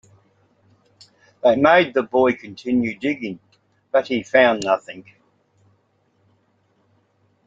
They made the boy continue digging, but he found nothing.